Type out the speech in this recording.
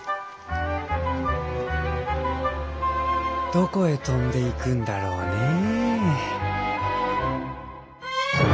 どこへ飛んでいくんだろうねえ。